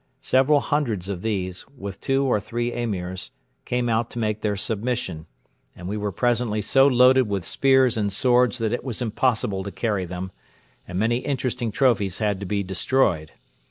Several hundreds of these, with two or three Emirs, came out to make their submission; and we were presently so loaded with spears and swords that it was impossible to carry them, and many interesting trophies had to be destroyed.